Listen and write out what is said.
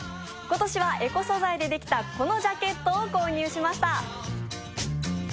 今年はエコ素材で出来たこのジャケットを購入しました。